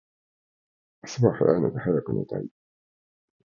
明日は早いので早く寝たい